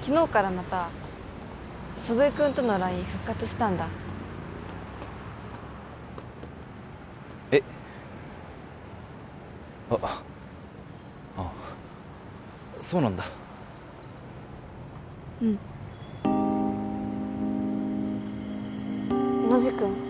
昨日からまた祖父江君とのＬＩＮＥ復活したんだえっあっああそうなんだうんノジ君？